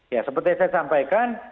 ya seperti saya sampaikan